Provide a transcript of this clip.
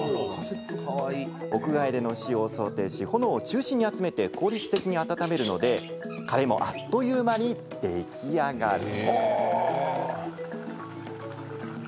屋外での使用を想定し炎を中心に集めて効率的に温めるのでカレーもあっという間に出来上がり。